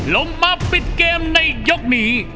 ลงมาปิดเกมในยกนี้